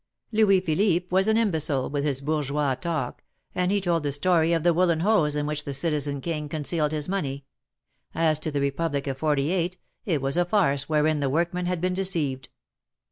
Louis Philippe was an imbecile, with his Bourgeois talk, and he told the story of the woollen hose in which the Citizen King concealed his money ; as to the Republic of '48, it was a farce wherein the workmen had been deceived.